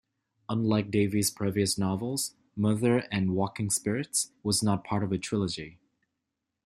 Unlike Davies' previous novels, "Murther and Walking Spirits" was not part of a trilogy.